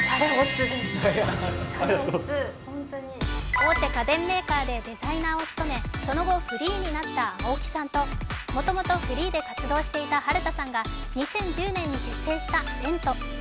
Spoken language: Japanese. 大手家電メーカーでデザイナーを務めその後フリーになった青木さんともともとフリーで活動していた治田さんが２０１０年に結成したＴＥＮＴ。